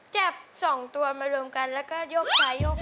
แจบ๒ตัวมารวมกันแล้วก็ยกไขวยกไขว